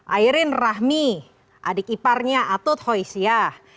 airin rahmi adik iparnya atut hoisiyah